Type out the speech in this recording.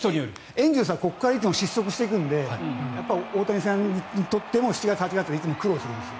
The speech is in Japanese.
エンゼルスはここからいつも失速していくので大谷さんにとっても７月、８月はいつも苦労するんですよ。